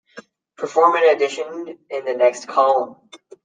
Perform an addition in the next column.